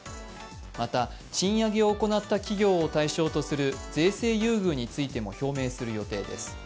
また、賃上げを行った企業を対象とする税制優遇についても表明する予定です。